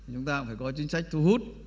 chúng ta cũng phải có chính sách thu hút